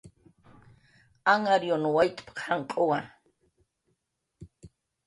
"Anhariyun waytp""qa janq'uwa"